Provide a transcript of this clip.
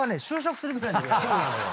そうなのよ。